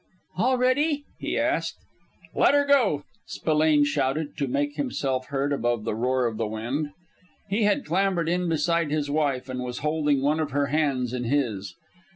"All ready?" he asked. "Let her go!" Spillane shouted, to make himself heard above the roar of the wind. He had clambered in beside his wife, and was holding one of her hands in his.